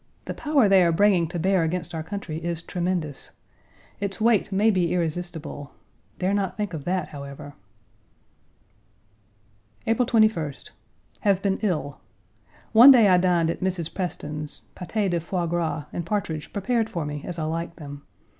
The power they are bringing to bear against our country is tremendous. Its weight may be irresistible dare not think of that, however. April 21st. Have been ill. One day I dined at Mrs. Preston's, pâté de foie gras and partridge prepared for me as I like them.